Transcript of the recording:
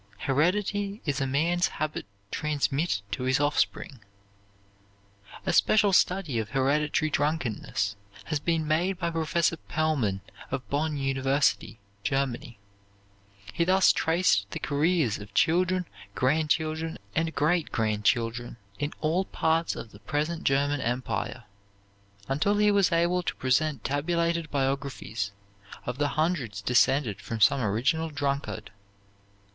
Heredity is a man's habit transmitted to his offspring. A special study of hereditary drunkenness has been made by Professor Pellman of Bonn University, Germany. He thus traced the careers of children, grandchildren, and great grandchildren in all parts of the present German Empire, until he was able to present tabulated biographies of the hundreds descended from some original drunkard.